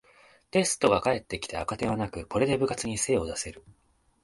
テストが返ってきて赤点はなく、これで部活に精を出せる